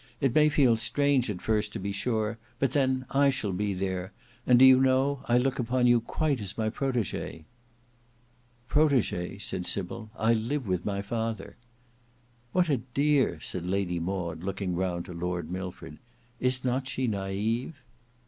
It may feel strange at first, to be sure, but then I shall be there; and do you know I look upon you quite as my protege." "Protege," said Sybil. "I live with my father." "What a dear!" said Lady Maud looking round to Lord Milford. "Is not she naive?"